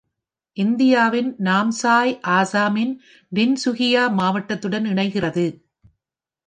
இந்தியாவின் நாம்சாய் அசாமின் டின்சுகியா மாவட்டத்துடன் இணைக்கிறது.